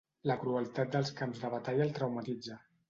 La crueltat dels camps de batalla el traumatitza.